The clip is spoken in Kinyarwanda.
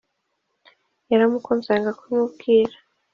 Yaramukunze yanga kubimubwira